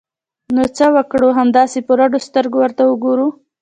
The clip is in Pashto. نو څه وکړو؟ همداسې په رډو سترګو ورته وګورو!